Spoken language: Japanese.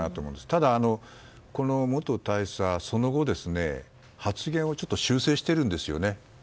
ただこの元大佐はその後発言を修正してるんですよね。